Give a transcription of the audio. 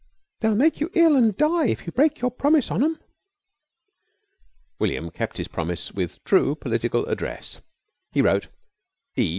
"They'll make you ill an' die if you break your promise on them." William kept his promise with true political address. He wrote "E.